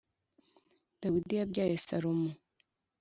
Dawidi yabyaye Salomo